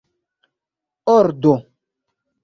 ordo